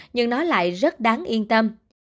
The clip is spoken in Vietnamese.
nhưng nó lại rất đáng yên tâm